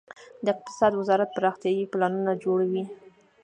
د اقتصاد وزارت پرمختیايي پلانونه جوړوي